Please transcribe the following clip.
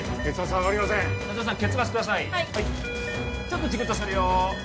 はいちょっとチクッとするよ